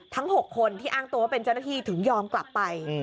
ทั้ง๖คนที่อ้างตัวว่าเป็นเจ้าหน้าที่ถึงยอมกลับไป